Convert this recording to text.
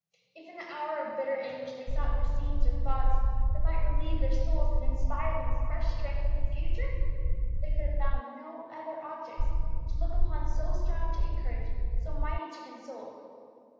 If in the hour of bitter anguish they sought for scenes or thoughts that might relieve their souls and inspire them with fresh strength for the future, they could have found no other objects to look upon so strong to encourage, so mighty to console.